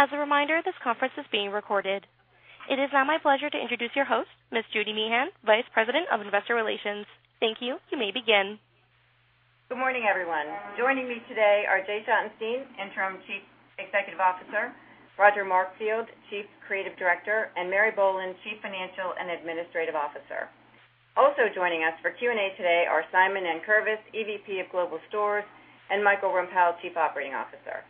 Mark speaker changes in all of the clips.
Speaker 1: As a reminder, this conference is being recorded. It is now my pleasure to introduce your host, Ms. Judy Meehan, Vice President of Investor Relations. Thank you. You may begin.
Speaker 2: Good morning, everyone. Joining me today are Jay Schottenstein, Interim Chief Executive Officer, Roger Markfield, Chief Creative Director, and Mary Boland, Chief Financial and Administrative Officer. Also joining us for Q&A today are Simon Nankervis, EVP of Global Stores, and Michael Rempell, Chief Operating Officer.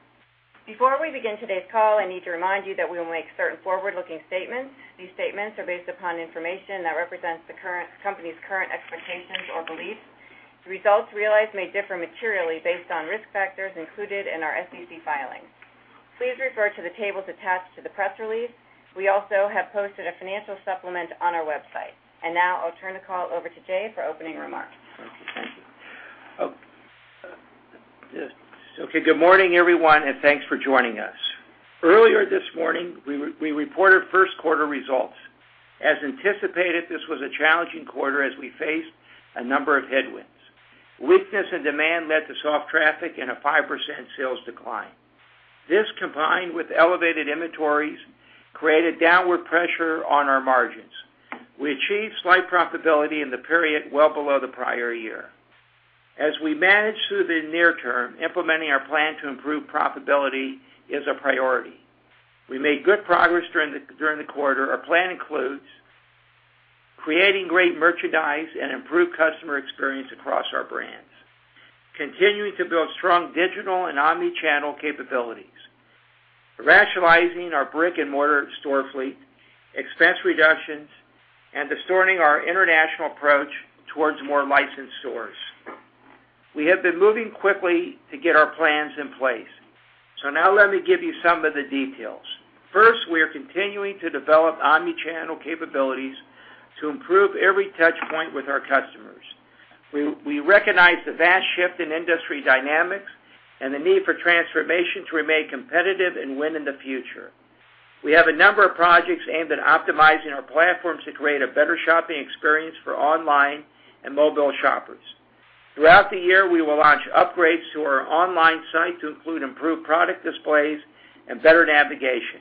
Speaker 2: Before we begin today's call, I need to remind you that we will make certain forward-looking statements. These statements are based upon information that represents the company's current expectations or beliefs. Results realized may differ materially based on risk factors included in our SEC filings. Please refer to the tables attached to the press release. We also have posted a financial supplement on our website. Now I'll turn the call over to Jay for opening remarks.
Speaker 3: Good morning, everyone, and thanks for joining us. Earlier this morning, we reported first quarter results. As anticipated, this was a challenging quarter as we faced a number of headwinds. Weakness in demand led to soft traffic and a 5% sales decline. This, combined with elevated inventories, created downward pressure on our margins. We achieved slight profitability in the period well below the prior year. As we manage through the near term, implementing our plan to improve profitability is a priority. We made good progress during the quarter. Our plan includes creating great merchandise and improved customer experience across our brands, continuing to build strong digital and omnichannel capabilities, rationalizing our brick-and-mortar store fleet, expense reductions, and distorting our international approach towards more licensed stores. We have been moving quickly to get our plans in place. So now let me give you some of the details. First, we are continuing to develop omnichannel capabilities to improve every touch point with our customers. We recognize the vast shift in industry dynamics and the need for transformation to remain competitive and win in the future. We have a number of projects aimed at optimizing our platform to create a better shopping experience for online and mobile shoppers. Throughout the year, we will launch upgrades to our online site to include improved product displays and better navigation.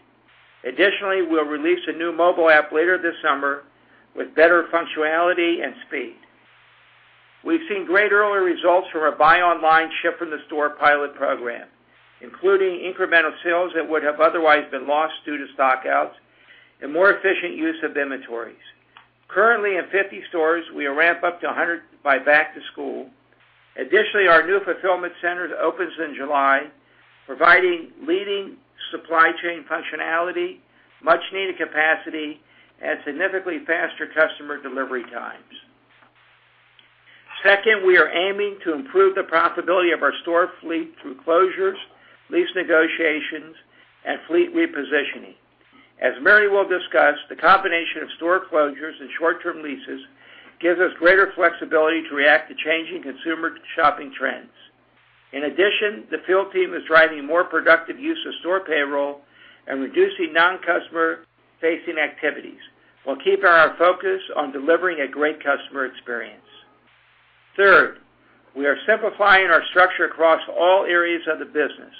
Speaker 3: Additionally, we'll release a new mobile app later this summer with better functionality and speed. We've seen great early results from our buy online, ship from the store pilot program, including incremental sales that would have otherwise been lost due to stock outs, and more efficient use of inventories. Currently in 50 stores, we will ramp up to 100 by back to school. Additionally, our new fulfillment center opens in July, providing leading supply chain functionality, much-needed capacity, and significantly faster customer delivery times. Second, we are aiming to improve the profitability of our store fleet through closures, lease negotiations, and fleet repositioning. As Mary will discuss, the combination of store closures and short-term leases gives us greater flexibility to react to changing consumer shopping trends. In addition, the field team is driving more productive use of store payroll and reducing non-customer-facing activities, while keeping our focus on delivering a great customer experience. Third, we are simplifying our structure across all areas of the business,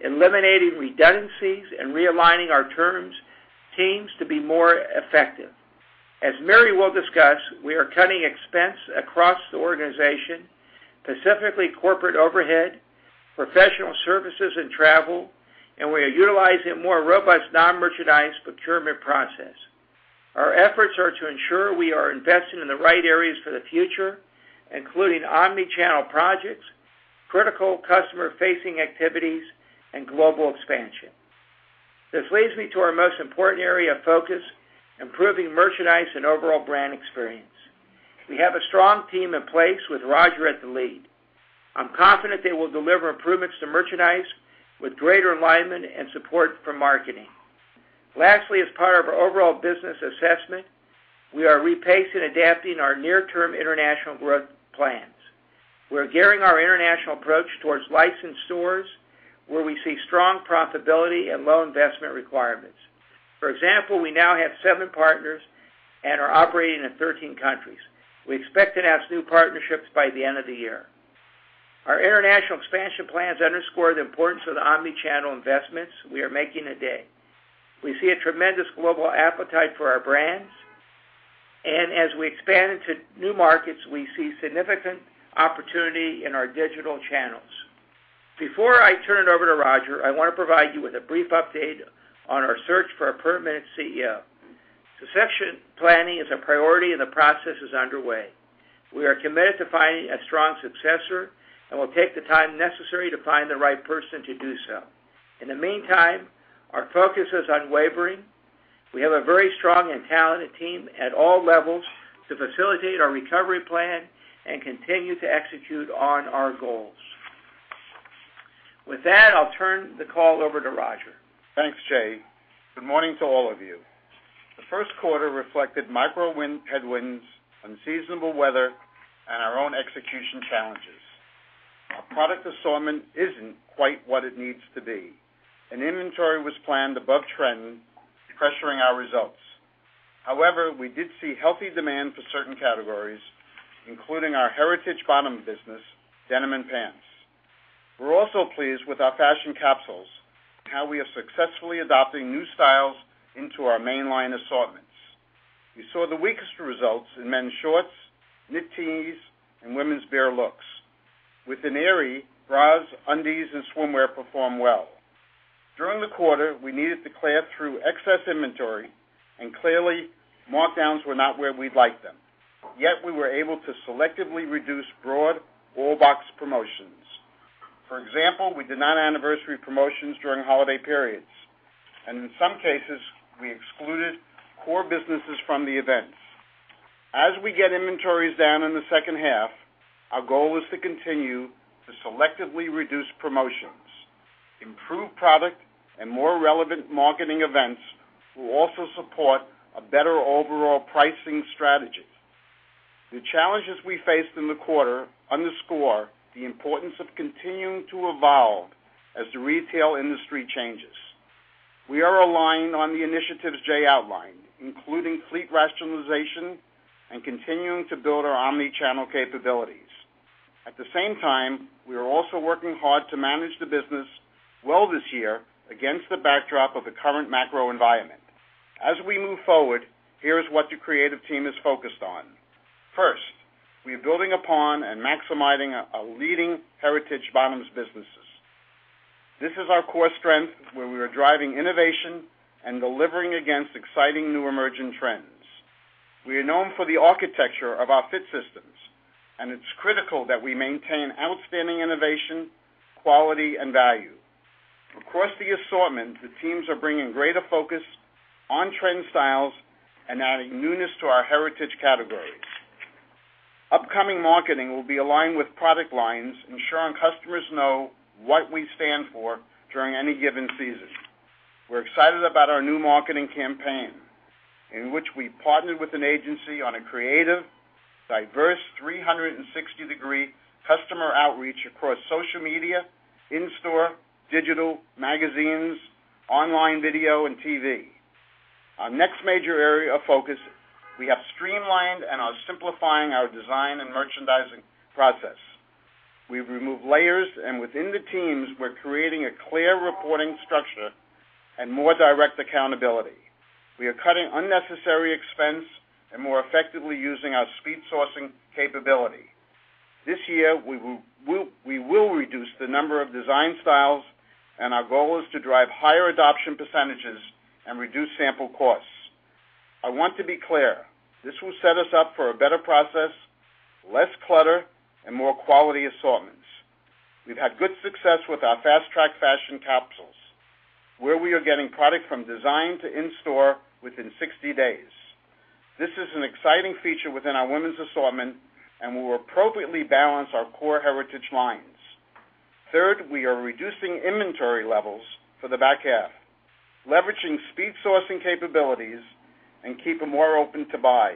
Speaker 3: eliminating redundancies and realigning our teams to be more effective. As Mary will discuss, we are cutting expense across the organization, specifically corporate overhead, professional services, and travel, and we are utilizing a more robust non-merchandise procurement process. Our efforts are to ensure we are investing in the right areas for the future, including omnichannel projects, critical customer-facing activities, and global expansion. This leads me to our most important area of focus, improving merchandise and overall brand experience. We have a strong team in place with Roger at the lead. I'm confident they will deliver improvements to merchandise with greater alignment and support from marketing. Lastly, as part of our overall business assessment, we are repacing and adapting our near-term international growth plans. We are gearing our international approach towards licensed stores, where we see strong profitability and low investment requirements. For example, we now have 7 partners and are operating in 13 countries. We expect to announce new partnerships by the end of the year. Our international expansion plans underscore the importance of the omnichannel investments we are making today. We see a tremendous global appetite for our brands. As we expand into new markets, we see significant opportunity in our digital channels. Before I turn it over to Roger, I want to provide you with a brief update on our search for a permanent CEO. Succession planning is a priority and the process is underway. We are committed to finding a strong successor and will take the time necessary to find the right person to do so. In the meantime, our focus is unwavering. We have a very strong and talented team at all levels to facilitate our recovery plan and continue to execute on our goals. With that, I'll turn the call over to Roger.
Speaker 4: Thanks, Jay. Good morning to all of you. The first quarter reflected micro headwinds, unseasonable weather, and our own execution challenges. Our product assortment isn't quite what it needs to be, and inventory was planned above trend, pressuring our results. However, we did see healthy demand for certain categories, including our heritage bottom business, denim and pants. We are also pleased with our fashion capsules and how we are successfully adopting new styles into our mainline assortments. We saw the weakest results in men's shorts, knit tees, and women's bare looks. Within Aerie, bras, undies, and swimwear performed well. During the quarter, we needed to clear through excess inventory, and clearly, markdowns were not where we'd like them. Yet we were able to selectively reduce broad all-box promotions. For example, we did not anniversary promotions during holiday periods, and in some cases, we excluded core businesses from the events. As we get inventories down in the second half, our goal is to continue to selectively reduce promotions, improve product, and more relevant marketing events will also support a better overall pricing strategy. The challenges we faced in the quarter underscore the importance of continuing to evolve as the retail industry changes. We are aligned on the initiatives Jay outlined, including fleet rationalization and continuing to build our omnichannel capabilities. At the same time, we are also working hard to manage the business well this year against the backdrop of the current macro environment. As we move forward, here's what the creative team is focused on. First, we are building upon and maximizing our leading heritage bottoms businesses. This is our core strength, where we are driving innovation and delivering against exciting new emerging trends. We are known for the architecture of our fit systems, and it's critical that we maintain outstanding innovation, quality, and value. Across the assortment, the teams are bringing greater focus on trend styles and adding newness to our heritage categories. Upcoming marketing will be aligned with product lines, ensuring customers know what we stand for during any given season. We are excited about our new marketing campaign, in which we partnered with an agency on a creative, diverse, 360-degree customer outreach across social media, in-store, digital, magazines, online video, and TV. Our next major area of focus, we have streamlined and are simplifying our design and merchandising process. We've removed layers, and within the teams, we're creating a clear reporting structure and more direct accountability. We are cutting unnecessary expense and more effectively using our speed sourcing capability. This year, we will reduce the number of design styles, and our goal is to drive higher adoption percentages and reduce sample costs. I want to be clear, this will set us up for a better process, less clutter, and more quality assortments. We've had good success with our fast-track fashion capsules, where we are getting product from design to in-store within 60 days. This is an exciting feature within our women's assortment and will appropriately balance our core heritage lines. Third, we are reducing inventory levels for the back half, leveraging speed sourcing capabilities, and keep them more open to buy.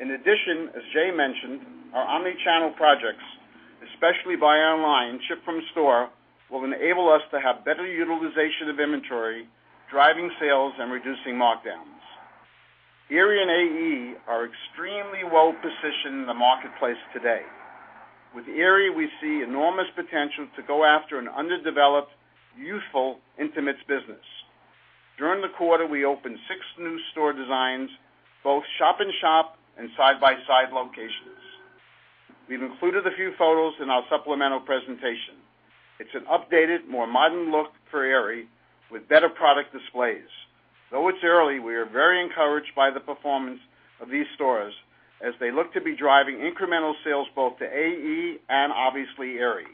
Speaker 4: In addition, as Jay mentioned, our omnichannel projects, especially buy online, ship from store, will enable us to have better utilization of inventory, driving sales, and reducing markdowns. Aerie and AE are extremely well-positioned in the marketplace today. With Aerie, we see enormous potential to go after an underdeveloped, youthful intimates business. During the quarter, we opened six new store designs, both shop in shop and side-by-side locations. We've included a few photos in our supplemental presentation. It's an updated, more modern look for Aerie with better product displays. Though it's early, we are very encouraged by the performance of these stores as they look to be driving incremental sales both to AE and obviously Aerie.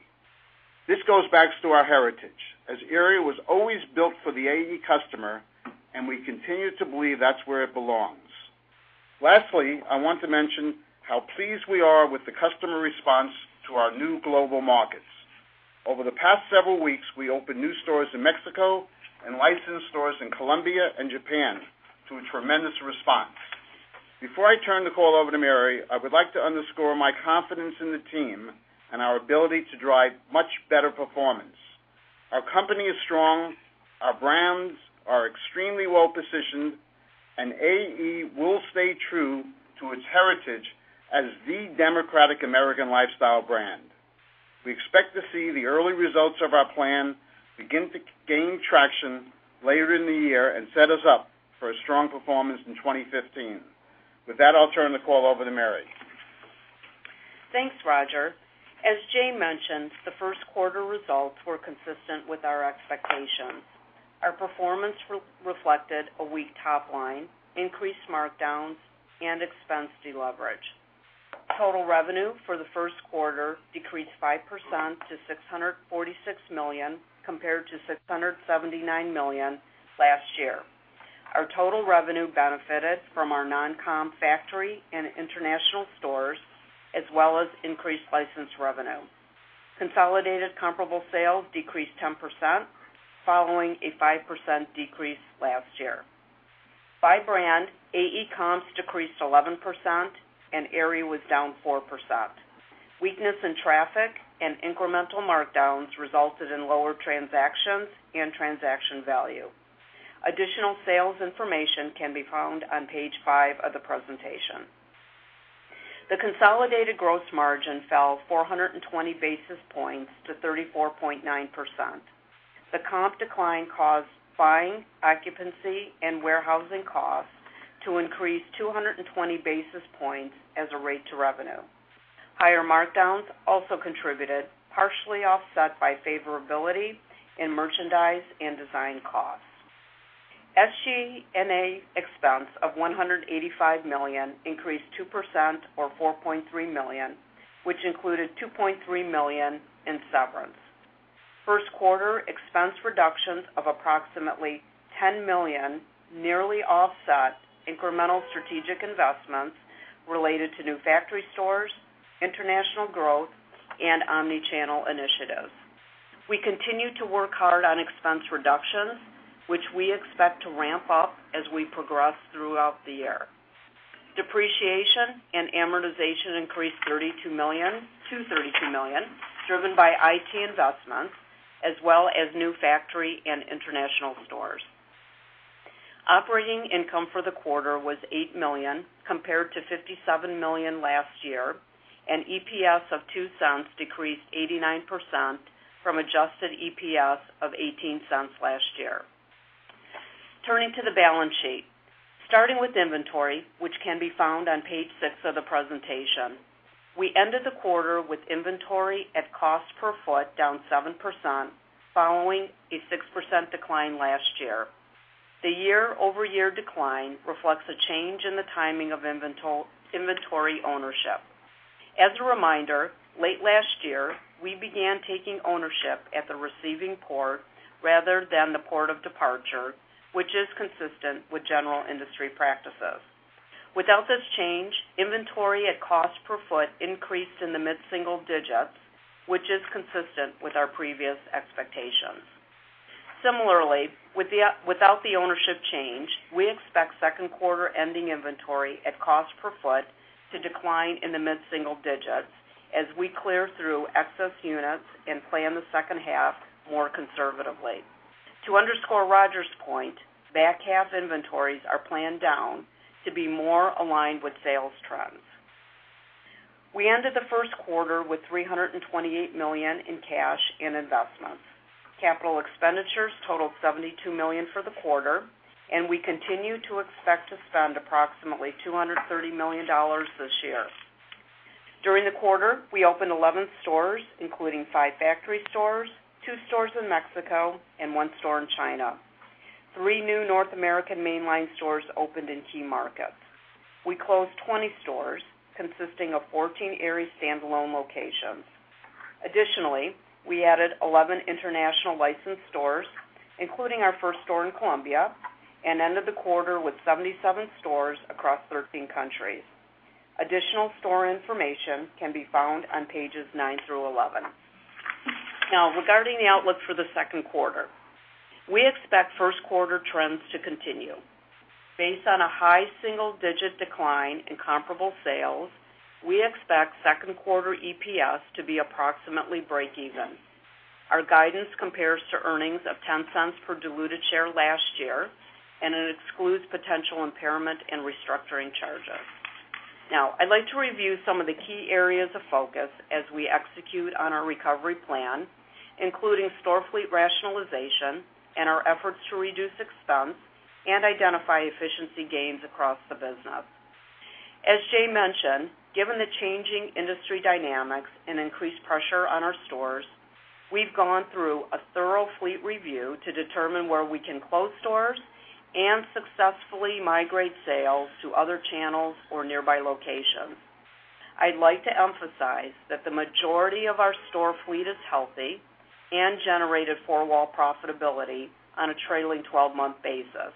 Speaker 4: This goes back to our heritage, as Aerie was always built for the AE customer, and we continue to believe that's where it belongs. Lastly, I want to mention how pleased we are with the customer response to our new global markets. Over the past several weeks, we opened new stores in Mexico and licensed stores in Colombia and Japan to a tremendous response. Before I turn the call over to Mary, I would like to underscore my confidence in the team and our ability to drive much better performance. Our company is strong, our brands are extremely well-positioned, and AE will stay true to its heritage as the democratic American lifestyle brand. We expect to see the early results of our plan begin to gain traction later in the year and set us up for a strong performance in 2015. With that, I'll turn the call over to Mary.
Speaker 5: Thanks, Roger. As Jay mentioned, the first quarter results were consistent with our expectations. Our performance reflected a weak top line, increased markdowns, and expense deleverage. Total revenue for the first quarter decreased 5% to $646 million compared to $679 million last year. Our total revenue benefited from our non-com factory and international stores, as well as increased licensed revenue. Consolidated comparable sales decreased 10%, following a 5% decrease last year. By brand, AE comps decreased 11% and Aerie was down 4%. Weakness in traffic and incremental markdowns resulted in lower transactions and transaction value. Additional sales information can be found on page five of the presentation. The consolidated gross margin fell 420 basis points to 34.9%. The comp decline caused buying, occupancy, and warehousing costs to increase 220 basis points as a rate to revenue. Higher markdowns also contributed, partially offset by favorability in merchandise and design costs. SG&A expense of $185 million increased 2% or $4.3 million, which included $2.3 million in severance. First quarter expense reductions of approximately $10 million nearly offset incremental strategic investments related to new factory stores, international growth, and omnichannel initiatives. We continue to work hard on expense reductions, which we expect to ramp up as we progress throughout the year. Depreciation and amortization increased to $32 million, driven by IT investments as well as new factory and international stores. Operating income for the quarter was $8 million compared to $57 million last year, and EPS of $0.02 decreased 89% from adjusted EPS of $0.18 last year. Turning to the balance sheet. Starting with inventory, which can be found on page six of the presentation. We ended the quarter with inventory at cost per foot down 7%, following a 6% decline last year. The year-over-year decline reflects a change in the timing of inventory ownership. As a reminder, late last year, we began taking ownership at the receiving port rather than the port of departure, which is consistent with general industry practices. Without this change, inventory at cost per foot increased in the mid-single digits, which is consistent with our previous expectations. Similarly, without the ownership change, we expect second quarter ending inventory at cost per foot to decline in the mid-single digits as we clear through excess units and plan the second half more conservatively. To underscore Roger's point, back half inventories are planned down to be more aligned with sales trends. We ended the first quarter with $328 million in cash and investments. Capital expenditures totaled $72 million for the quarter, and we continue to expect to spend approximately $230 million this year. During the quarter, we opened 11 stores, including five factory stores, two stores in Mexico, and one store in China. Three new North American mainline stores opened in key markets. We closed 20 stores consisting of 14 Aerie standalone locations. Additionally, we added 11 international licensed stores, including our first store in Colombia, and ended the quarter with 77 stores across 13 countries. Additional store information can be found on pages nine through 11. Regarding the outlook for the second quarter. We expect first quarter trends to continue. Based on a high single-digit decline in comparable sales, we expect second quarter EPS to be approximately break even. Our guidance compares to earnings of $0.10 per diluted share last year. It excludes potential impairment and restructuring charges. I'd like to review some of the key areas of focus as we execute on our recovery plan, including store fleet rationalization and our efforts to reduce expense and identify efficiency gains across the business. As Jay mentioned, given the changing industry dynamics and increased pressure on our stores, we've gone through a thorough fleet review to determine where we can close stores and successfully migrate sales to other channels or nearby locations. I'd like to emphasize that the majority of our store fleet is healthy and generated four-wall profitability on a trailing 12-month basis.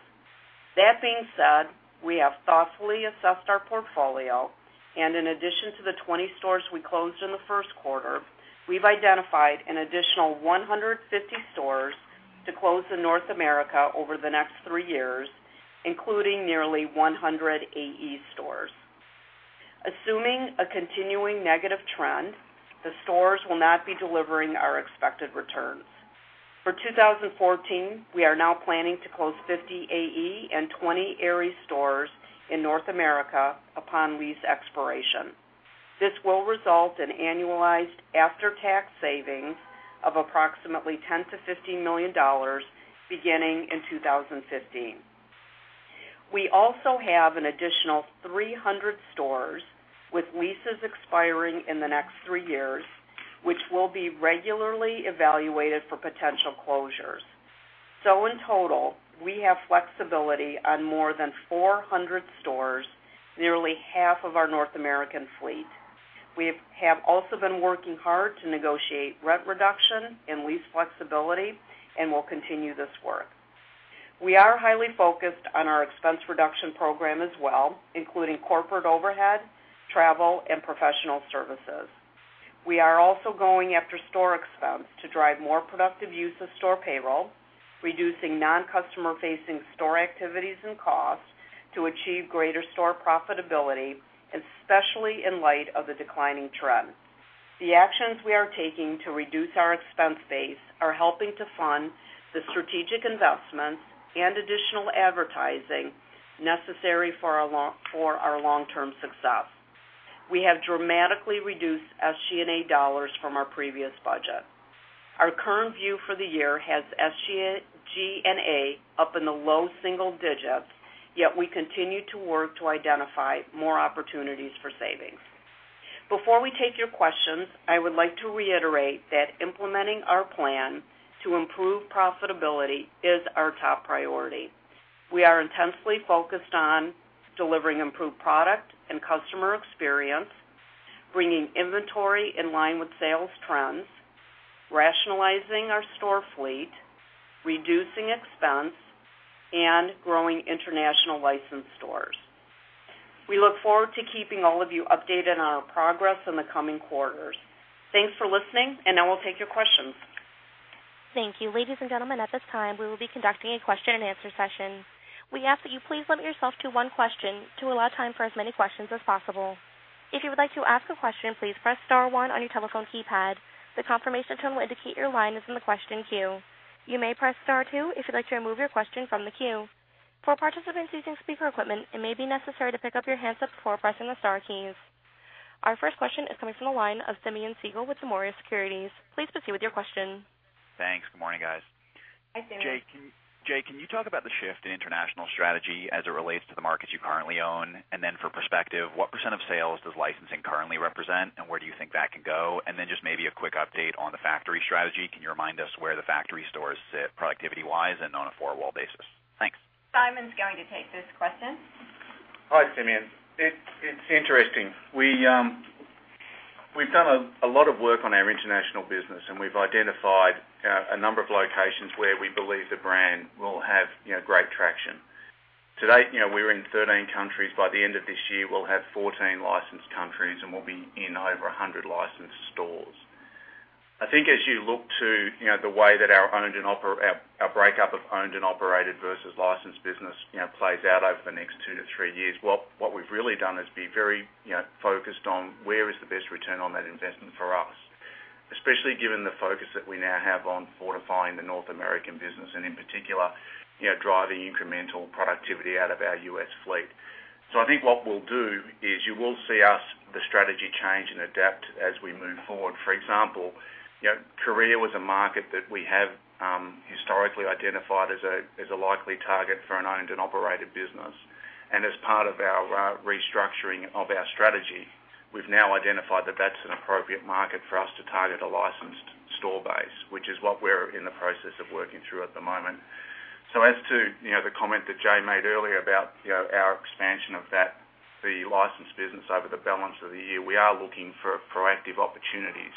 Speaker 5: That being said, we have thoughtfully assessed our portfolio, and in addition to the 20 stores we closed in the first quarter, we've identified an additional 150 stores to close in North America over the next three years, including nearly 100 AE stores. Assuming a continuing negative trend, the stores will not be delivering our expected returns. For 2014, we are now planning to close 50 AE and 20 Aerie stores in North America upon lease expiration. This will result in annualized after-tax savings of approximately $10 million-$15 million, beginning in 2015. We also have an additional 300 stores with leases expiring in the next three years, which will be regularly evaluated for potential closures. In total, we have flexibility on more than 400 stores, nearly half of our North American fleet. We have also been working hard to negotiate rent reduction and lease flexibility and will continue this work. We are highly focused on our expense reduction program as well, including corporate overhead, travel, and professional services. We are also going after store expense to drive more productive use of store payroll. Reducing non-customer facing store activities and costs to achieve greater store profitability, especially in light of the declining trend. The actions we are taking to reduce our expense base are helping to fund the strategic investments and additional advertising necessary for our long-term success. We have dramatically reduced SG&A dollars from our previous budget. Our current view for the year has SG&A up in the low single digits, yet we continue to work to identify more opportunities for savings. Before we take your questions, I would like to reiterate that implementing our plan to improve profitability is our top priority. We are intensely focused on delivering improved product and customer experience, bringing inventory in line with sales trends, rationalizing our store fleet, reducing expense, and growing international licensed stores. We look forward to keeping all of you updated on our progress in the coming quarters. Thanks for listening. Now we'll take your questions.
Speaker 1: Thank you. Ladies and gentlemen, at this time, we will be conducting a question and answer session. We ask that you please limit yourself to one question to allow time for as many questions as possible. If you would like to ask a question, please press star one on your telephone keypad. The confirmation tone will indicate your line is in the question queue. You may press star two if you'd like to remove your question from the queue. For participants using speaker equipment, it may be necessary to pick up your handset before pressing the star keys. Our first question is coming from the line of Simeon Siegel with Nomura Securities. Please proceed with your question.
Speaker 6: Thanks. Good morning, guys.
Speaker 5: Hi, Simeon.
Speaker 6: Jay, can you talk about the shift in international strategy as it relates to the markets you currently own? For perspective, what % of sales does licensing currently represent, and where do you think that could go? Just maybe a quick update on the factory strategy. Can you remind us where the factory stores sit productivity-wise and on a four wall basis? Thanks.
Speaker 5: Simon's going to take this question.
Speaker 7: Hi, Simeon. It's interesting. We've done a lot of work on our international business, and we've identified a number of locations where we believe the brand will have great traction. Today, we're in 13 countries. By the end of this year, we'll have 14 licensed countries, and we'll be in over 100 licensed stores. I think as you look to the way that our breakup of owned and operated versus licensed business plays out over the next two to three years, what we've really done is be very focused on where is the best return on that investment for us, especially given the focus that we now have on fortifying the North American business and, in particular, driving incremental productivity out of our U.S. fleet. I think what we'll do is you will see the strategy change and adapt as we move forward. For example, Korea was a market that we have historically identified as a likely target for an owned and operated business. As part of our restructuring of our strategy, we've now identified that that's an appropriate market for us to target a licensed store base, which is what we're in the process of working through at the moment. As to the comment that Jay made earlier about our expansion of the licensed business over the balance of the year, we are looking for proactive opportunities,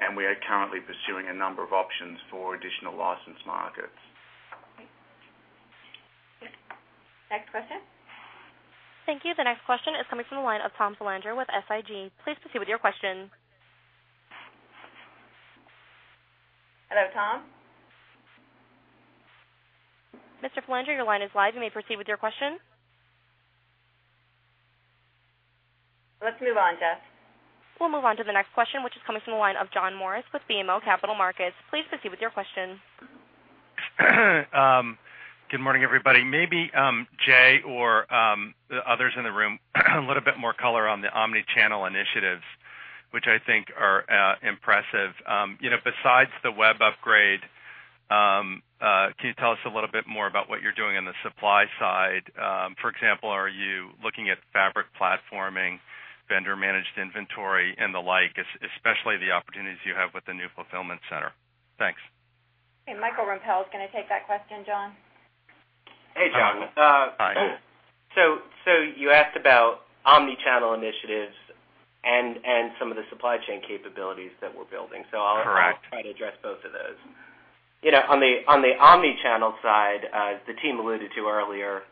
Speaker 7: and we are currently pursuing a number of options for additional licensed markets.
Speaker 5: Next question.
Speaker 1: Thank you. The next question is coming from the line of Tom Salandra with SIG. Please proceed with your question.
Speaker 5: Hello, Tom.
Speaker 1: Mr. Salandra, your line is live. You may proceed with your question.
Speaker 5: Let's move on, Jess.
Speaker 1: We'll move on to the next question, which is coming from the line of John Morris with BMO Capital Markets. Please proceed with your question.
Speaker 8: Good morning, everybody. Maybe Jay or the others in the room, a little bit more color on the omnichannel initiatives, which I think are impressive. Besides the web upgrade, can you tell us a little bit more about what you're doing on the supply side? For example, are you looking at fabric platforming, vendor-managed inventory, and the like, especially the opportunities you have with the new fulfillment center? Thanks.
Speaker 5: Michael Rempell is going to take that question, John.
Speaker 9: Hey, John.
Speaker 8: Hi.
Speaker 9: You asked about omnichannel initiatives and some of the supply chain capabilities that we're building.
Speaker 8: Correct.
Speaker 9: I'll try to address both of those. On the omnichannel side, as the team alluded to earlier,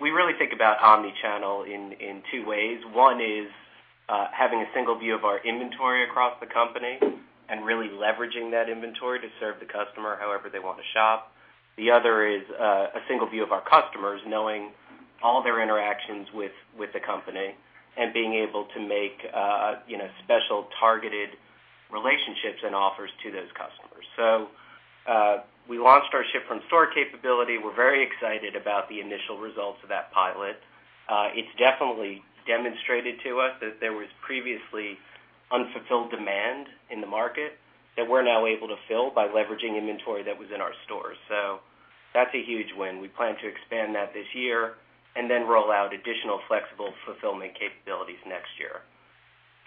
Speaker 9: we really think about omnichannel in two ways. One is having a single view of our inventory across the company and really leveraging that inventory to serve the customer however they want to shop. The other is a single view of our customers, knowing all their interactions with the company and being able to make special targeted relationships and offers to those customers. We launched our ship from store capability. We're very excited about the initial results of that pilot. It's definitely demonstrated to us that there was previously unfulfilled demand in the market that we're now able to fill by leveraging inventory that was in our stores. That's a huge win. We plan to expand that this year and then roll out additional flexible fulfillment capabilities next year.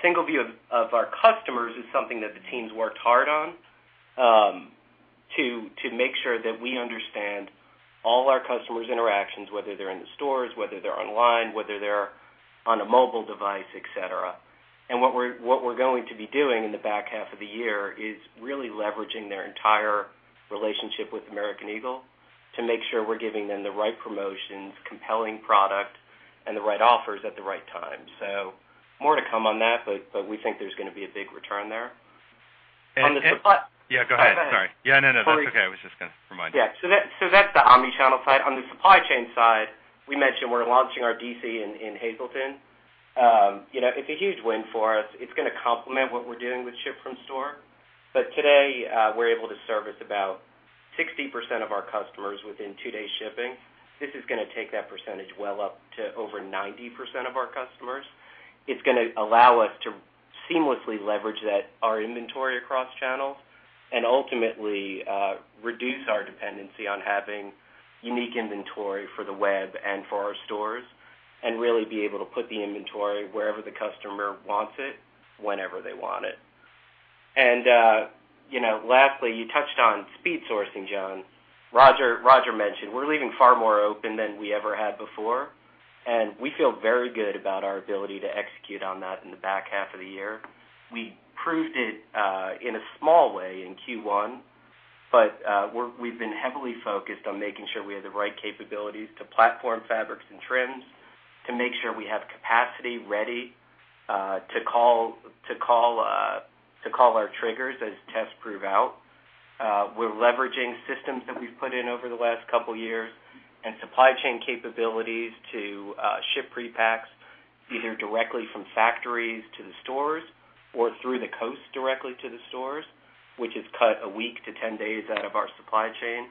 Speaker 9: Single view of our customers is something that the team's worked hard on to make sure that we understand all our customers' interactions, whether they're in the stores, whether they're online, whether they're on a mobile device, et cetera. What we're going to be doing in the back half of the year is really leveraging their entire relationship with American Eagle to make sure we're giving them the right promotions, compelling product, and the right offers at the right time. More to come on that, but we think there's going to be a big return there.
Speaker 8: Yeah, go ahead. Sorry.
Speaker 9: Oh, go ahead.
Speaker 8: Yeah, no. That's okay. I was just gonna remind you.
Speaker 9: That's the omnichannel side. On the supply chain side, we mentioned we're launching our DC in Hazle Township. It's a huge win for us. It's gonna complement what we're doing with ship from store. Today, we're able to service about 60% of our customers within two-day shipping. This is gonna take that percentage well up to over 90% of our customers. It's gonna allow us to seamlessly leverage our inventory across channels and ultimately, reduce our dependency on having unique inventory for the web and for our stores, and really be able to put the inventory wherever the customer wants it, whenever they want it. Lastly, you touched on speed sourcing, John. Roger mentioned, we're leaving far more open than we ever had before, and we feel very good about our ability to execute on that in the back half of the year. We proved it in a small way in Q1. We've been heavily focused on making sure we have the right capabilities to platform fabrics and trims, to make sure we have capacity ready to call our triggers as tests prove out. We're leveraging systems that we've put in over the last couple of years and supply chain capabilities to ship pre-packs, either directly from factories to the stores or through the coast directly to the stores, which has cut a week to 10 days out of our supply chain.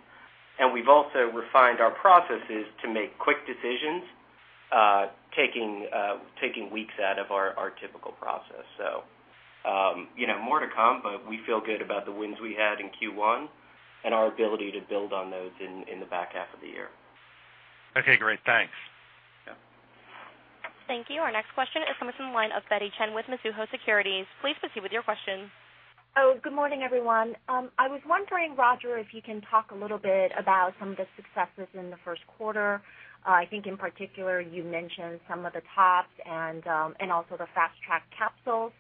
Speaker 9: We've also refined our processes to make quick decisions, taking weeks out of our typical process. More to come, but we feel good about the wins we had in Q1 and our ability to build on those in the back half of the year.
Speaker 8: Okay, great. Thanks.
Speaker 9: Yeah.
Speaker 1: Thank you. Our next question is coming from the line of Betty Chen with Mizuho Securities. Please proceed with your question.
Speaker 10: Oh, good morning, everyone. I was wondering, Roger, if you can talk a little bit about some of the successes in the first quarter. I think in particular, you mentioned some of the tops and also the fast track capsules.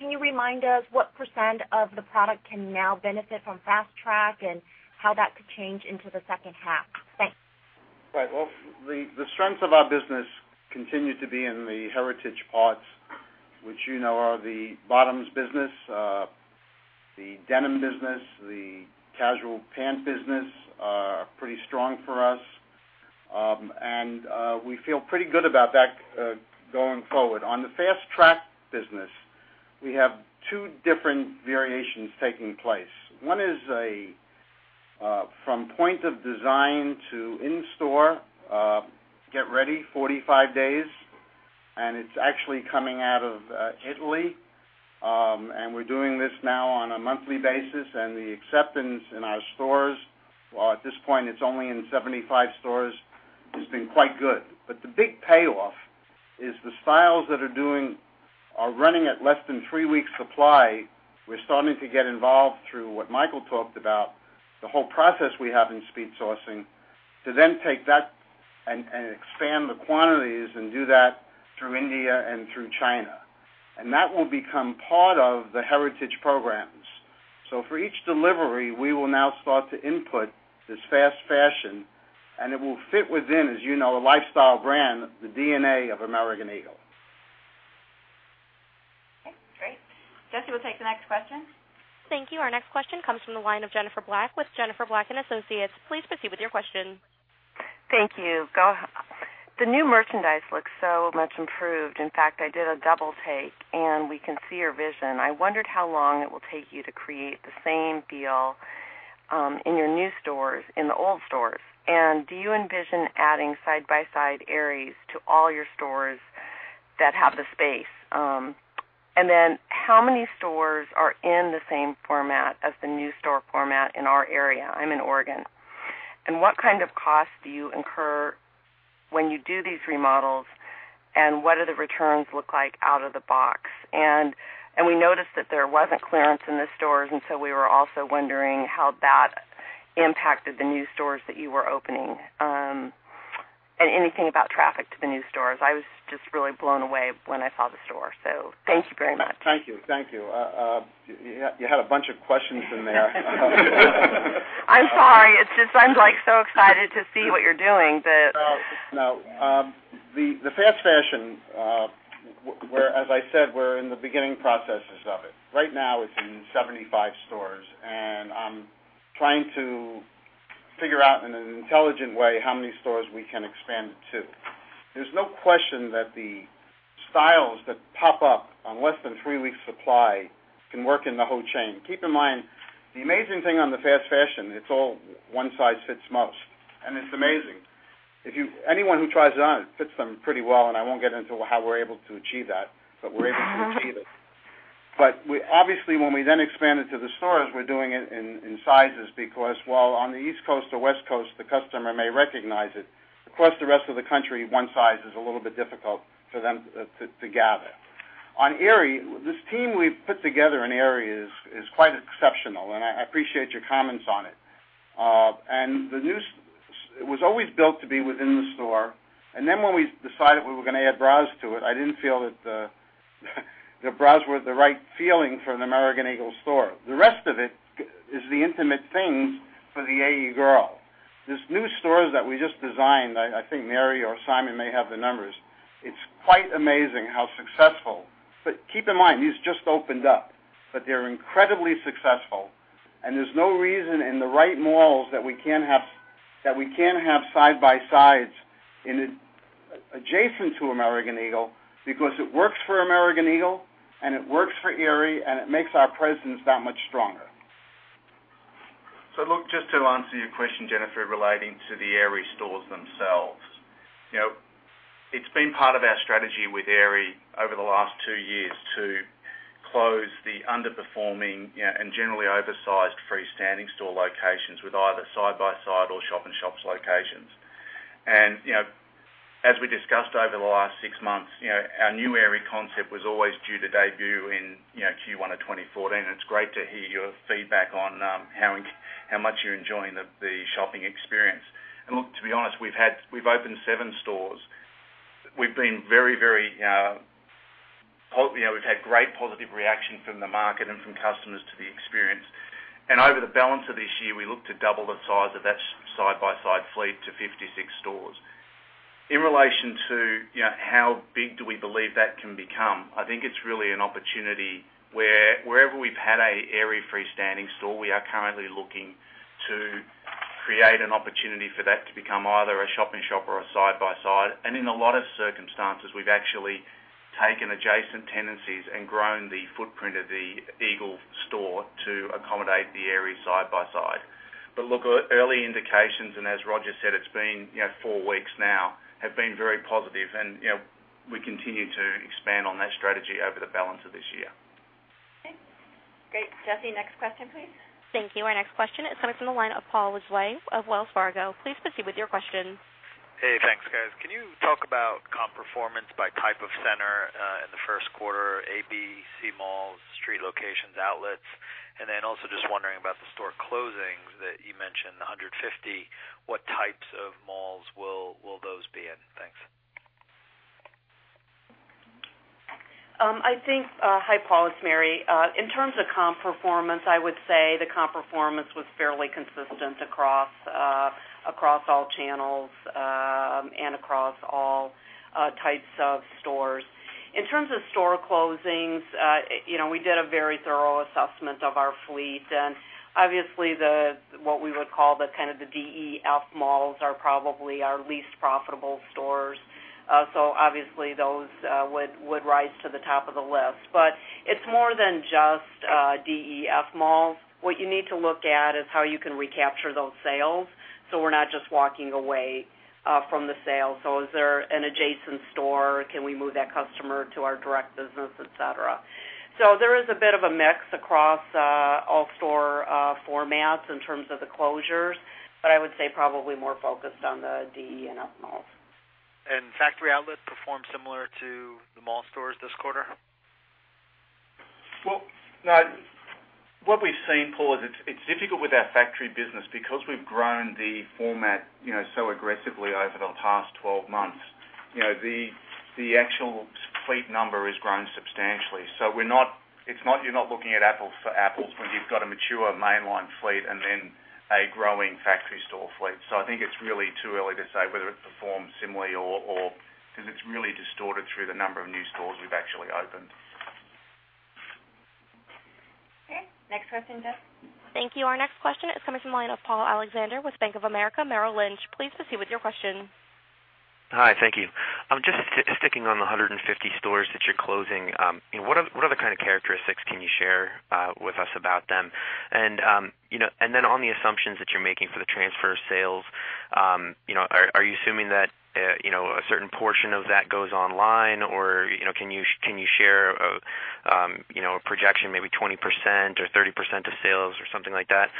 Speaker 10: Can you remind us what % of the product can now benefit from fast track and how that could change into the second half? Thanks.
Speaker 4: Right. Well, the strength of our business continues to be in the heritage parts, which you know are the bottoms business, the denim business, the casual pant business, are pretty strong for us. We feel pretty good about that going forward. On the fast track business, we have two different variations taking place. One is from point of design to in-store, get ready 45 days, and it's actually coming out of Italy. We're doing this now on a monthly basis, and the acceptance in our stores, while at this point it's only in 75 stores, has been quite good. The big payoff is the styles that are running at less than 3 weeks supply. We're starting to get involved through what Michael talked about, the whole process we have in speed sourcing, to then take that and expand the quantities and do that through India and through China. That will become part of the heritage programs. For each delivery, we will now start to input this fast fashion, and it will fit within, as you know, the lifestyle brand, the DNA of American Eagle.
Speaker 5: Okay, great. Jesse will take the next question.
Speaker 1: Thank you. Our next question comes from the line of Jennifer Black with Jennifer Black & Associates. Please proceed with your question.
Speaker 11: Thank you. The new merchandise looks so much improved. In fact, I did a double take and we can see your vision. I wondered how long it will take you to create the same feel, in your new stores, in the old stores. Do you envision adding side-by-side Aeries to all your stores that have the space? How many stores are in the same format as the new store format in our area? I'm in Oregon. What kind of cost do you incur when you do these remodels, and what do the returns look like out of the box? We noticed that there wasn't clearance in the stores, and so we were also wondering how that impacted the new stores that you were opening. Anything about traffic to the new stores. I was just really blown away when I saw the store. Thank you very much.
Speaker 4: Thank you. You had a bunch of questions in there.
Speaker 11: I'm sorry. It's just I'm so excited to see what you're doing that
Speaker 4: The fast fashion, as I said, we're in the beginning processes of it. Right now, it's in 75 stores, and I'm trying to figure out in an intelligent way how many stores we can expand it to. There's no question that the styles that pop up on less than three weeks' supply can work in the whole chain. Keep in mind, the amazing thing on the fast fashion, it's all one size fits most. It's amazing. Anyone who tries it on, it fits them pretty well, and I won't get into how we're able to achieve that, but we're able to achieve it. Obviously, when we then expand it to the stores, we're doing it in sizes because while on the East Coast or West Coast, the customer may recognize it. Across the rest of the country, one size is a little bit difficult for them to gather. On Aerie, this team we've put together in Aerie is quite exceptional, and I appreciate your comments on it. The new It was always built to be within the store. Then when we decided we were going to add browse to it, I didn't feel that the browse was the right feeling for an American Eagle store. The rest of it is the intimate things for the AE girl. These new stores that we just designed, I think Mary or Simon may have the numbers. It's quite amazing how successful. Keep in mind, these just opened up, but they're incredibly successful, and there's no reason in the right malls that we can't have side-by-sides adjacent to American Eagle, because it works for American Eagle, and it works for Aerie, and it makes our presence that much stronger.
Speaker 7: look, just to answer your question, Jennifer, relating to the Aerie stores themselves. It has been part of our strategy with Aerie over the last two years to close the underperforming and generally oversized freestanding store locations with either side-by-side or shop-in-shops locations. As we discussed over the last six months, our new Aerie concept was always due to debut in Q1 of 2014. It is great to hear your feedback on how much you are enjoying the shopping experience. look, to be honest, we have opened seven stores. We have had great positive reaction from the market and from customers to the experience. Over the balance of this year, we look to double the size of that side-by-side fleet to 56 stores. In relation to how big do we believe that can become, I think it is really an opportunity where wherever we have had an Aerie freestanding store, we are currently looking to create an opportunity for that to become either a shop-in-shop or a side-by-side. In a lot of circumstances, we have actually taken adjacent tenancies and grown the footprint of the Eagle store to accommodate the Aerie side-by-side. look, early indications, as Roger said, it has been four weeks now, have been very positive, we continue to expand on that strategy over the balance of this year.
Speaker 2: Okay, great. Jesse, next question, please.
Speaker 1: Thank you. Our next question is coming from the line of Paul Lejuez of Wells Fargo. Please proceed with your question.
Speaker 12: Hey, thanks, guys. Can you talk about comp performance by type of center in the first quarter, A, B, C malls, street locations, outlets? Also just wondering about the store closings that you mentioned, the 150. What types of malls will those be in? Thanks.
Speaker 5: Hi, Paul. It's Mary. In terms of comp performance, I would say the comp performance was fairly consistent across all channels and across all types of stores. In terms of store closings, we did a very thorough assessment of our fleet. Obviously, what we would call the kind of the D, E, F malls are probably our least profitable stores. Obviously those would rise to the top of the list. It's more than just D, E, F malls. What you need to look at is how you can recapture those sales, so we're not just walking away from the sale. Is there an adjacent store? Can we move that customer to our direct business, et cetera. There is a bit of a mix across all store formats in terms of the closures, I would say probably more focused on the D, E, and F malls.
Speaker 12: Factory outlets performed similar to the mall stores this quarter?
Speaker 7: Well, what we've seen, Paul, is it's difficult with our factory business because we've grown the format so aggressively over the past 12 months. The actual fleet number has grown substantially. You're not looking at apples for apples when you've got a mature mainline fleet and then a growing factory store fleet. I think it's really too early to say whether it performs similarly because it's really distorted through the number of new stores we've actually opened.
Speaker 2: Okay, next question, Jess.
Speaker 1: Thank you. Our next question is coming from the line of Paul Alexander with Bank of America Merrill Lynch. Please proceed with your question.
Speaker 13: Hi, thank you. Just sticking on the 150 stores that you're closing. What other kind of characteristics can you share with us about them? On the assumptions that you're making for the transfer of sales, are you assuming that a certain portion of that goes online, or can you share a projection, maybe 20% or 30% of sales or something like that?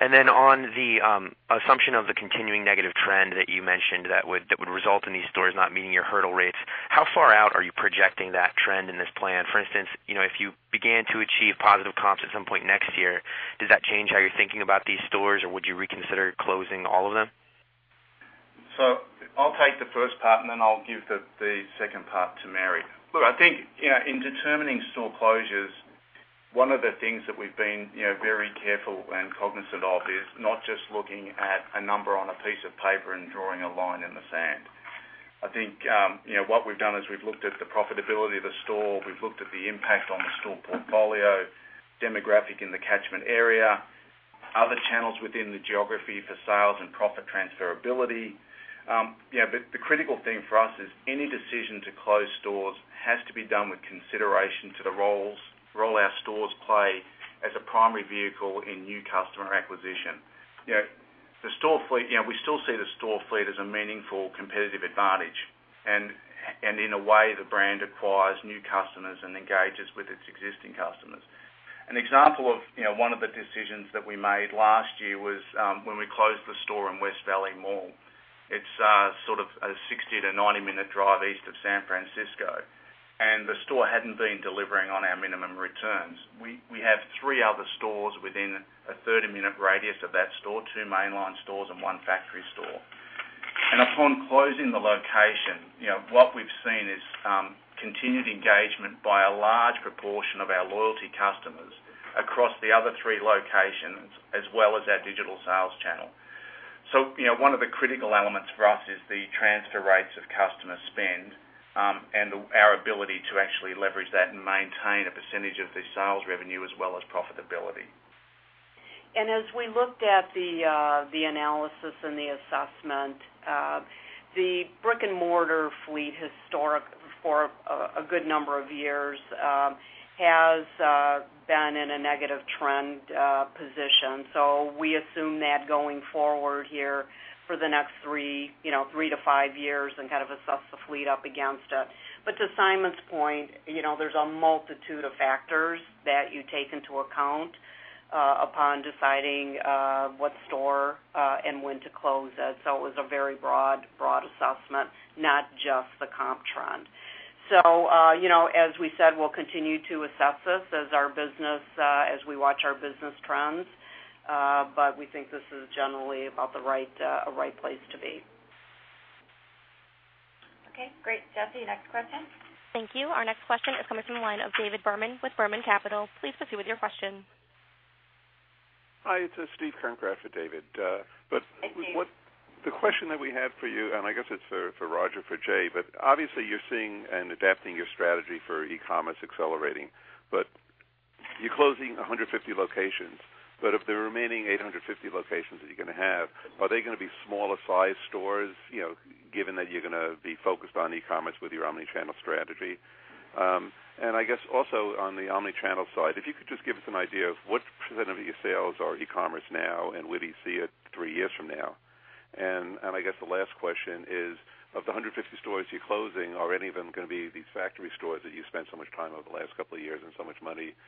Speaker 13: On the assumption of the continuing negative trend that you mentioned, that would result in these stores not meeting your hurdle rates, how far out are you projecting that trend in this plan? For instance, if you began to achieve positive comps at some point next year, does that change how you're thinking about these stores, or would you reconsider closing all of them?
Speaker 7: I'll take the first part, and then I'll give the second part to Mary. Look, I think in determining store closures, one of the things that we've been very careful and cognizant of is not just looking at a number on a piece of paper and drawing a line in the sand. I think what we've done is we've looked at the profitability of the store. We've looked at the impact on the store portfolio, demographic in the catchment area, other channels within the geography for sales and profit transferability. The critical thing for us is any decision to close stores has to be done with consideration to the roles all our stores play as a primary vehicle in new customer acquisition. We still see the store fleet as a meaningful competitive advantage. In a way, the brand acquires new customers and engages with its existing customers. An example of one of the decisions that we made last year was when we closed the store in West Valley Mall. It's sort of a 60- to 90-minute drive east of San Francisco. The store hadn't been delivering on our minimum returns. We have three other stores within a 30-minute radius of that store, two mainline stores and one factory store. Upon closing the location, what we've seen is continued engagement by a large proportion of our loyalty customers across the other three locations, as well as our digital sales channel. One of the critical elements for us is the transfer rates of customer spend and our ability to actually leverage that and maintain a percentage of the sales revenue as well as profitability.
Speaker 3: As we looked at the analysis and the assessment, the brick-and-mortar fleet, historic for a good number of years, has been in a negative trend position. We assume that going forward here for the next three to five years and kind of assess the fleet up against it. To Simon's point, there's a multitude of factors that you take into account upon deciding what store and when to close it. It was a very broad assessment, not just the comp trend. As we said, we'll continue to assess this as we watch our business trends. We think this is generally a right place to be.
Speaker 2: Okay, great. Jesse, next question.
Speaker 1: Thank you. Our next question is coming from the line of David Jaffe with Berman Capital. Please proceed with your question.
Speaker 14: Hi, it's Steve Kernkraft for David.
Speaker 3: Hi, Steve.
Speaker 14: The question that we have for you, and I guess it's for Roger, for Jay, but obviously you're seeing and adapting your strategy for e-commerce accelerating. You're closing 150 locations, but of the remaining 850 locations that you're going to have, are they going to be smaller sized stores, given that you're going to be focused on e-commerce with your omnichannel strategy? I guess also on the omnichannel side, if you could just give us an idea of what % of your sales are e-commerce now, and where do you see it three years from now? I guess the last question is, of the 150 stores you're closing, are any of them going to be these factory stores that you spent so much time over the last couple of years and so much money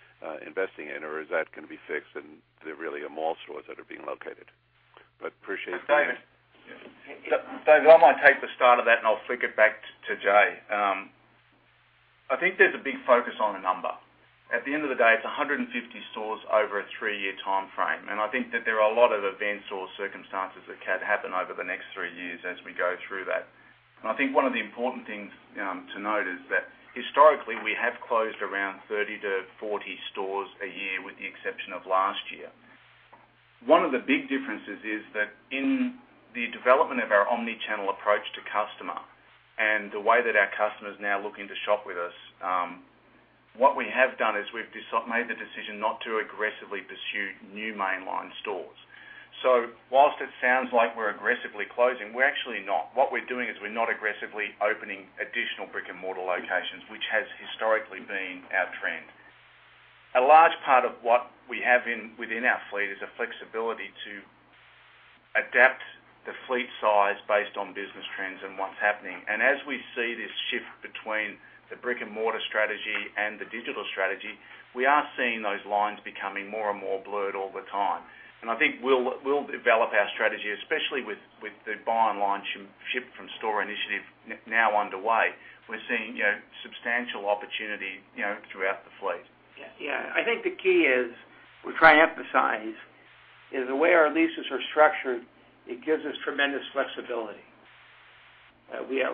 Speaker 14: investing in, or is that going to be fixed and they really are mall stores that are being located? Appreciate your time.
Speaker 7: David, I might take the start of that and I'll flick it back to Jay. I think there's a big focus on a number. At the end of the day, it's 150 stores over a three-year timeframe. I think that there are a lot of events or circumstances that can happen over the next three years as we go through that. I think one of the important things to note is that historically, we have closed around 30 to 40 stores a year with the exception of last year. One of the big differences is that in the development of our omnichannel approach to customer and the way that our customers now looking to shop with us, what we have done is we've made the decision not to aggressively pursue new mainline stores. Whilst it sounds like we're aggressively closing, we're actually not. What we're doing is we're not aggressively opening additional brick-and-mortar locations, which has historically been our trend. A large part of what we have within our fleet is a flexibility to adapt the fleet size based on business trends and what's happening. As we see this shift between the brick-and-mortar strategy and the digital strategy, we are seeing those lines becoming more and more blurred all the time. I think we'll develop our strategy, especially with the buy online, ship from store initiative now underway. We're seeing substantial opportunity throughout the fleet.
Speaker 2: Yeah.
Speaker 3: Yeah. I think the key is, we try to emphasize, is the way our leases are structured, it gives us tremendous flexibility.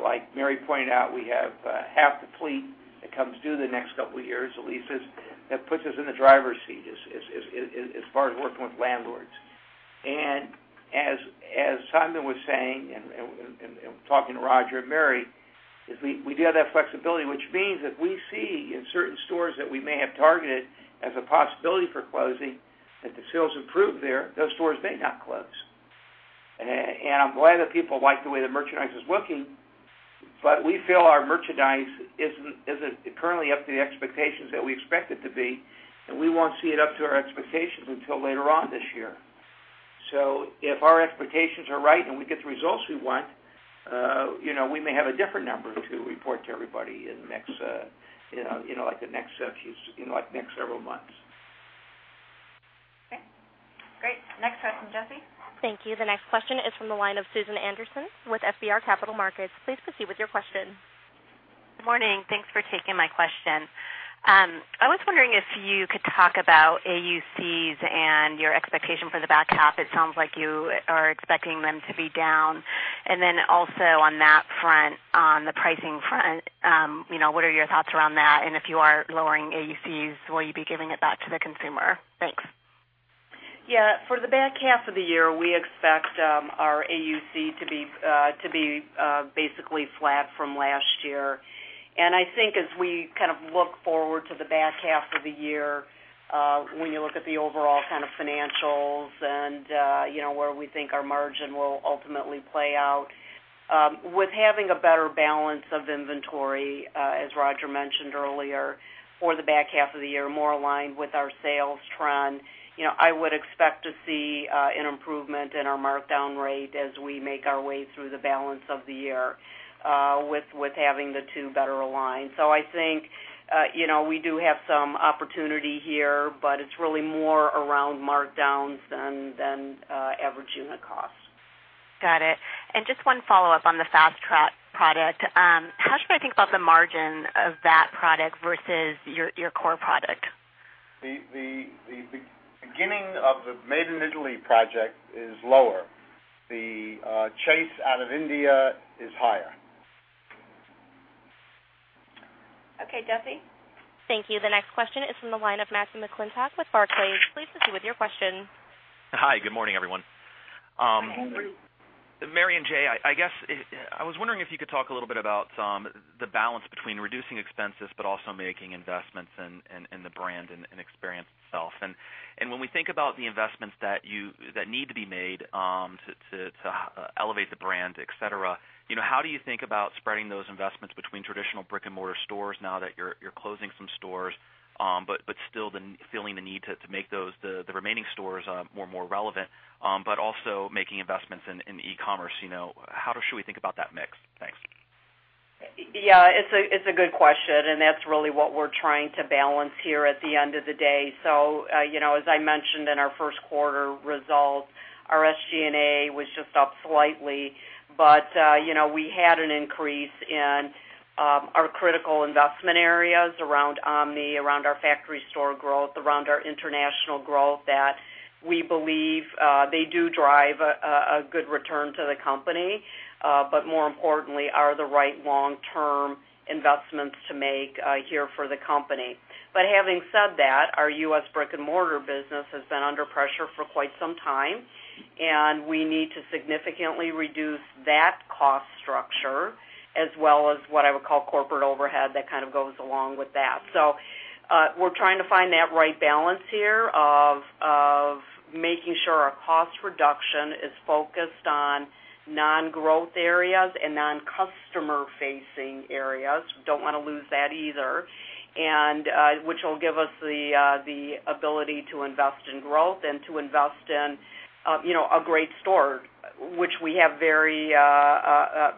Speaker 3: Like Mary pointed out, we have half the fleet that comes due the next couple of years, the leases. That puts us in the driver's seat as far as working with landlords. As Simon was saying, and talking to Roger and Mary, is we do have that flexibility, which means if we see in certain stores that we may have targeted as a possibility for closing, if the sales improve there, those stores may not close. I'm glad that people like the way the merchandise is looking, but we feel our merchandise isn't currently up to the expectations that we expect it to be, and we won't see it up to our expectations until later on this year. If our expectations are right and we get the results we want, we may have a different number to report to everybody in the next several months.
Speaker 2: Okay, great. Next question, Jesse.
Speaker 1: Thank you. The next question is from the line of Susan Anderson with FBR Capital Markets. Please proceed with your question.
Speaker 15: Good morning. Thanks for taking my question. I was wondering if you could talk about AUCs and your expectation for the back half. It sounds like you are expecting them to be down. Also on that front, on the pricing front, what are your thoughts around that? If you are lowering AUCs, will you be giving it back to the consumer? Thanks.
Speaker 5: Yeah. For the back half of the year, we expect our AUC to be basically flat from last year. I think as we kind of look forward to the back half of the year, when you look at the overall kind of financials and where we think our margin will ultimately play out. With having a better balance of inventory, as Roger mentioned earlier, for the back half of the year, more aligned with our sales trend, I would expect to see an improvement in our markdown rate as we make our way through the balance of the year, with having the two better aligned. I think we do have some opportunity here, but it's really more around markdowns than average unit cost.
Speaker 15: Got it. Just one follow-up on the fast track product. How should I think about the margin of that product versus your core product?
Speaker 4: The beginning of the Made in Italy project is lower. The chase out of India is higher.
Speaker 5: Okay, Jay.
Speaker 1: Thank you. The next question is from the line of Matthew McClintock with Barclays. Please proceed with your question.
Speaker 16: Hi. Good morning, everyone.
Speaker 5: Good morning.
Speaker 16: Mary and Jay, I was wondering if you could talk a little bit about the balance between reducing expenses but also making investments in the brand and experience itself. When we think about the investments that need to be made to elevate the brand, et cetera, how do you think about spreading those investments between traditional brick-and-mortar stores now that you're closing some stores, but still feeling the need to make the remaining stores more relevant, but also making investments in e-commerce. How should we think about that mix? Thanks.
Speaker 5: Yeah. It's a good question. That's really what we're trying to balance here at the end of the day. As I mentioned in our first quarter results, our SG&A was just up slightly. We had an increase in our critical investment areas around omni, around our factory store growth, around our international growth that we believe they do drive a good return to the company, but more importantly, are the right long-term investments to make here for the company. Having said that, our U.S. brick-and-mortar business has been under pressure for quite some time, and we need to significantly reduce that cost structure as well as what I would call corporate overhead that kind of goes along with that. We're trying to find that right balance here of making sure our cost reduction is focused on non-growth areas and non-customer facing areas. We don't want to lose that either, which will give us the ability to invest in growth and to invest in a great store, which we have very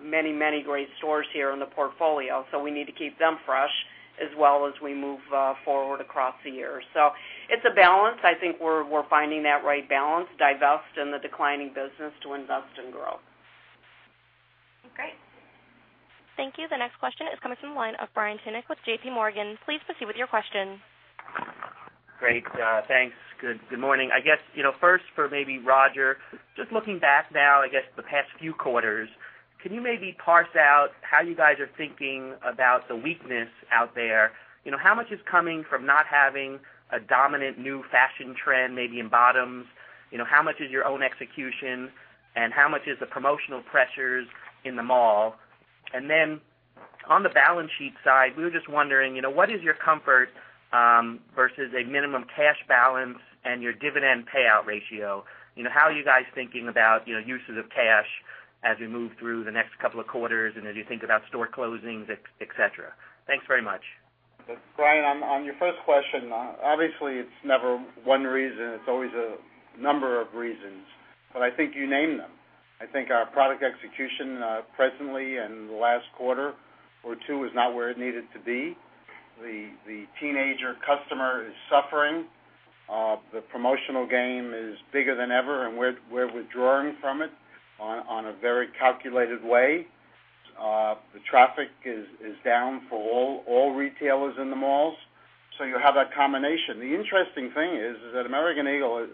Speaker 5: many great stores here in the portfolio. We need to keep them fresh as well as we move forward across the year. It's a balance. I think we're finding that right balance, divest in the declining business to invest in growth.
Speaker 16: Great.
Speaker 1: Thank you. The next question is coming from the line of Brian Tunick with JPMorgan. Please proceed with your question.
Speaker 17: Great. Thanks. Good morning. I guess, first for maybe Roger, just looking back now, I guess the past few quarters, can you maybe parse out how you guys are thinking about the weakness out there. How much is coming from not having a dominant new fashion trend, maybe in bottoms? How much is your own execution, and how much is the promotional pressures in the mall? Then on the balance sheet side, we were just wondering, what is your comfort, versus a minimum cash balance and your dividend payout ratio? How are you guys thinking about uses of cash as we move through the next couple of quarters and as you think about store closings, et cetera? Thanks very much.
Speaker 4: Brian, on your first question, obviously, it's never one reason. It's always a number of reasons. I think you named them. I think our product execution, presently and the last quarter or two, is not where it needed to be. The teenager customer is suffering. The promotional game is bigger than ever, and we're withdrawing from it on a very calculated way. The traffic is down for all retailers in the malls. You have that combination. The interesting thing is that American Eagle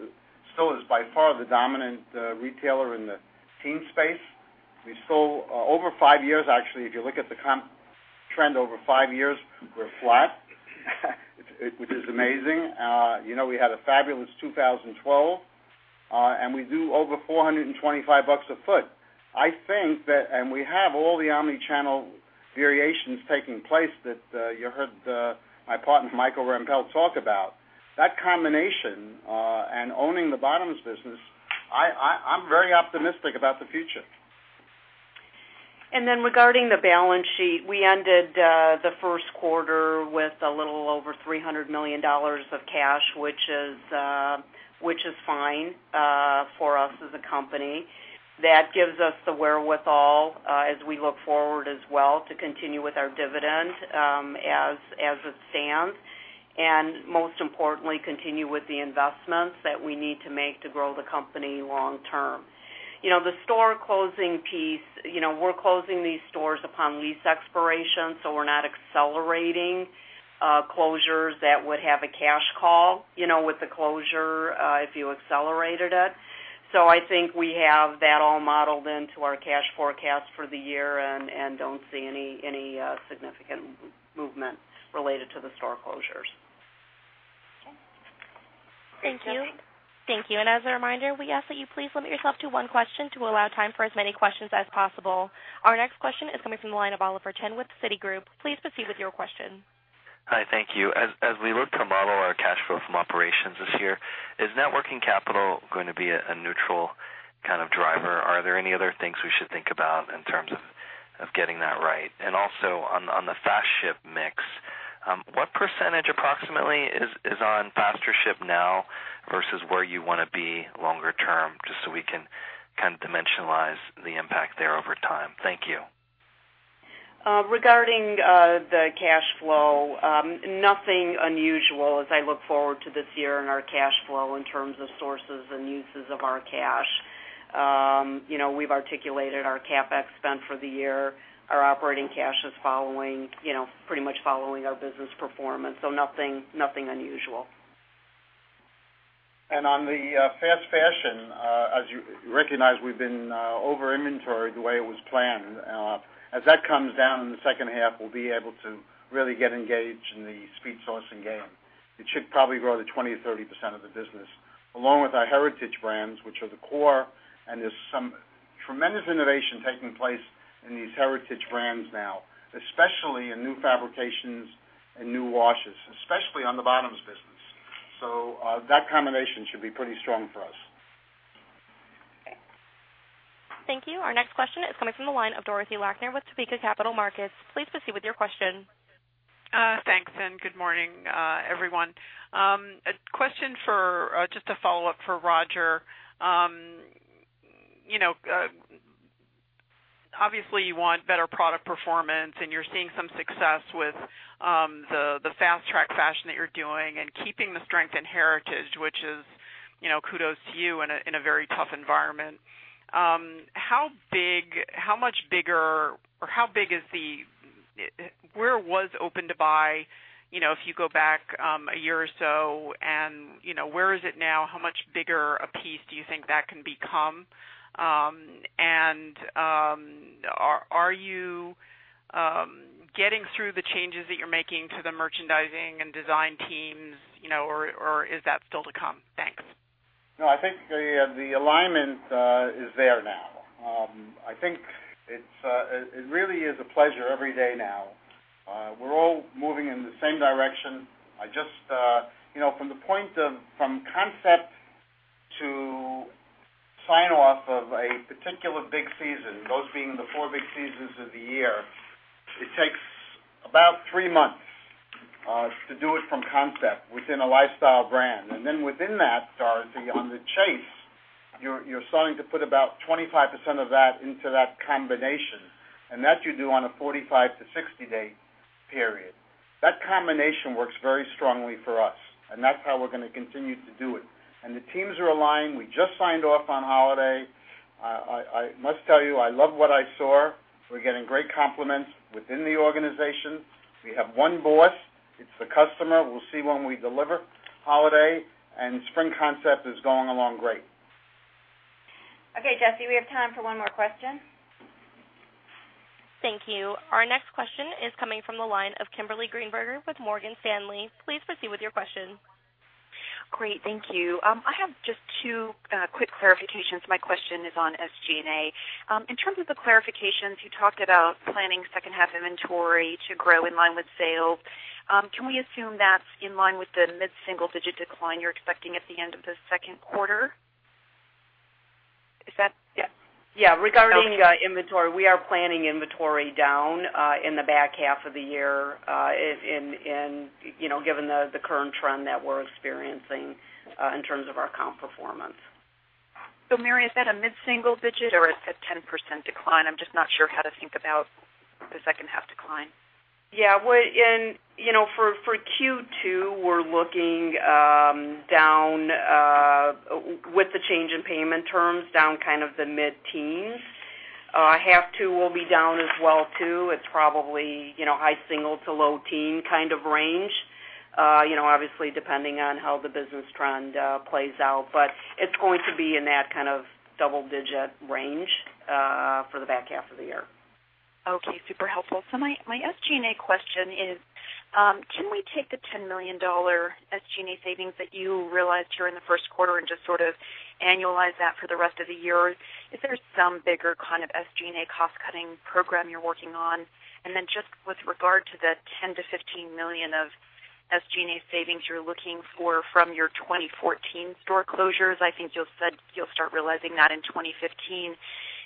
Speaker 4: still is by far the dominant retailer in the teen space. Over five years, actually, if you look at the trend over five years, we're flat, which is amazing. We had a fabulous 2012. We do over $425 a foot. We have all the omnichannel variations taking place that you heard my partner, Michael Rempell, talk about. That combination, owning the bottoms business, I'm very optimistic about the future.
Speaker 5: Regarding the balance sheet, we ended the first quarter with a little over $300 million of cash, which is fine for us as a company. That gives us the wherewithal as we look forward as well to continue with our dividend, as it stands, and most importantly, continue with the investments that we need to make to grow the company long term. The store closing piece, we're closing these stores upon lease expiration, so we're not accelerating closures that would have a cash call, with the closure, if you accelerated it. I think we have that all modeled into our cash forecast for the year and don't see any significant movement related to the store closures.
Speaker 17: Okay. Great.
Speaker 1: Thank you. As a reminder, we ask that you please limit yourself to one question to allow time for as many questions as possible. Our next question is coming from the line of Oliver Chen with Citigroup. Please proceed with your question.
Speaker 18: Hi. Thank you. As we look to model our cash flow from operations this year, is networking capital going to be a neutral kind of driver? Are there any other things we should think about in terms of getting that right? Also on the fast ship mix, what % approximately is on faster ship now versus where you want to be longer term, just so we can kind of dimensionalize the impact there over time. Thank you.
Speaker 5: Regarding the cash flow, nothing unusual as I look forward to this year and our cash flow in terms of sources and uses of our cash. We've articulated our CapEx spend for the year. Our operating cash is pretty much following our business performance. Nothing unusual.
Speaker 4: On the fast fashion, as you recognize, we've been over-inventoried the way it was planned. As that comes down in the second half, we'll be able to really get engaged in the speed sourcing game. It should probably grow to 20%-30% of the business, along with our heritage brands, which are the core, and there's some tremendous innovation taking place in these heritage brands now, especially in new fabrications and new washes, especially on the bottoms business. That combination should be pretty strong for us.
Speaker 1: Thank you. Our next question is coming from the line of Dorothy Lakner with Topeka Capital Markets. Please proceed with your question.
Speaker 19: Thanks. Good morning, everyone. A question, just a follow-up for Roger. Obviously, you want better product performance, and you're seeing some success with the fast track fashion that you're doing and keeping the strength in heritage, which is kudos to you in a very tough environment. Where was open-to-buy, if you go back a year or so, and where is it now? How much bigger a piece do you think that can become? Are you getting through the changes that you're making to the merchandising and design teams, or is that still to come? Thanks.
Speaker 4: I think the alignment is there now. I think it really is a pleasure every day now. We're all moving in the same direction. From concept to sign off of a particular big season, those being the four big seasons of the year, it takes about three months to do it from concept within a lifestyle brand. Then within that, Dorothy, on the chase, you're starting to put about 25% of that into that combination, and that you do on a 45 to 60-day period. That combination works very strongly for us, and that's how we're going to continue to do it. The teams are aligned. We just signed off on holiday. I must tell you, I love what I saw. We're getting great compliments within the organization. We have one boss. It's the customer. We'll see when we deliver holiday, and spring concept is going along great.
Speaker 2: Okay, Jesse, we have time for one more question.
Speaker 1: Thank you. Our next question is coming from the line of Kimberly Greenberger with Morgan Stanley. Please proceed with your question.
Speaker 20: Great. Thank you. I have just two quick clarifications. My question is on SG&A. In terms of the clarifications, you talked about planning second half inventory to grow in line with sales. Can we assume that's in line with the mid-single digit decline you're expecting at the end of the second quarter? Is that Yeah.
Speaker 5: Yeah. Regarding inventory, we are planning inventory down in the back half of the year, given the current trend that we're experiencing in terms of our comp performance.
Speaker 20: Mary, is that a mid-single digit or a 10% decline? I'm just not sure how to think about the second half decline.
Speaker 5: For Q2, we're looking, with the change in payment terms, down kind of the mid-teens. Half two will be down as well, too. It's probably high single to low teen kind of range. Obviously, depending on how the business trend plays out. It's going to be in that kind of double digit range for the back half of the year.
Speaker 20: My SG&A question is, can we take the $10 million SG&A savings that you realized during the first quarter and just sort of annualize that for the rest of the year? Is there some bigger kind of SG&A cost cutting program you're working on? Just with regard to the $10 million-$15 million of SG&A savings you're looking for from your 2014 store closures, I think you said you'll start realizing that in 2015.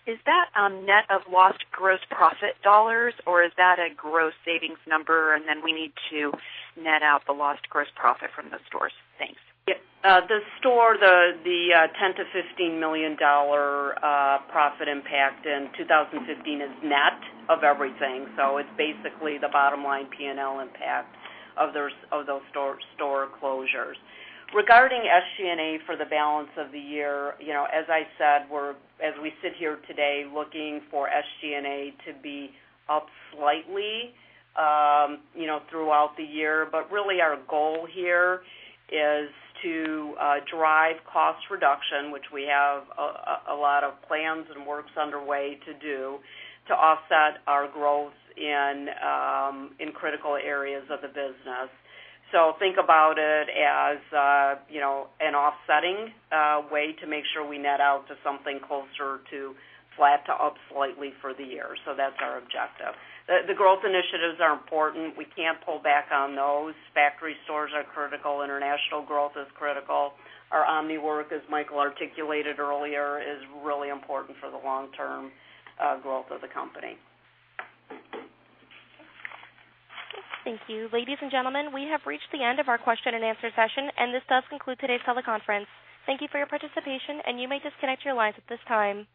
Speaker 20: Is that a net of lost gross profit dollars, or is that a gross savings number, and then we need to net out the lost gross profit from those stores? Thanks.
Speaker 5: The $10 million-$15 million profit impact in 2015 is net of everything. It's basically the bottom line P&L impact of those store closures. Regarding SG&A for the balance of the year, as I said, as we sit here today, looking for SG&A to be up slightly, throughout the year. Really our goal here is to drive cost reduction, which we have a lot of plans and works underway to do to offset our growth in critical areas of the business. Think about it as an offsetting way to make sure we net out to something closer to flat to up slightly for the year. That's our objective. The growth initiatives are important. We can't pull back on those. Factory stores are critical. International growth is critical. Our omni work, as Michael articulated earlier, is really important for the long-term growth of the company.
Speaker 1: Thank you. Ladies and gentlemen, we have reached the end of our question and answer session. This does conclude today's teleconference. Thank you for your participation. You may disconnect your lines at this time.